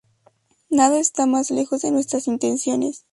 Nada está más lejos de nuestras intenciones.